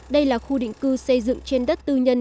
đây là khu định cư xây dựng trên đất tư nhân